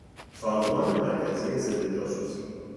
سازمان مرکزی ضدجاسوسی